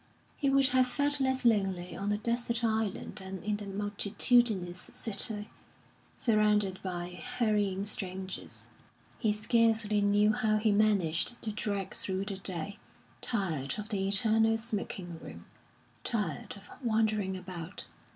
He would have felt less lonely on a desert island than in the multitudinous city, surrounded by hurrying strangers. He scarcely knew how he managed to drag through the day, tired of the eternal smoking room, tired of wandering about.